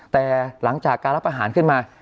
แต่หลังจากการรับอาหารขึ้นมา